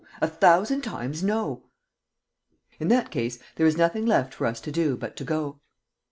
A thousand times no!" "In that case, there is nothing left for us to do but to go."